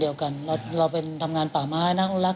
เดียวกันเราเป็นทำงานป่าไม้นะคุณรัก